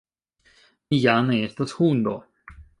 Mi ja ne estas hundo!